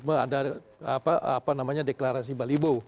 ada apa namanya deklarasi balibo